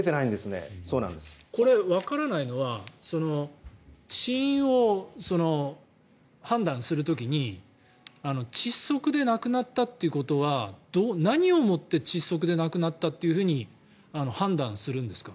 これ、わからないのは死因を判断する時に窒息で亡くなったということは何をもって窒息で亡くなったというふうに判断するんですか？